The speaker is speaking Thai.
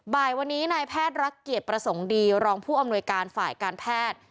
บ่ายวันนี้นายแพทย์รักเกียรติประสงค์ดีรองผู้อำนวยการฝ่ายการแพทย์